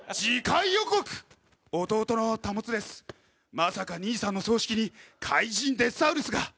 まさか兄さんの葬式に怪人デスサウルスが！」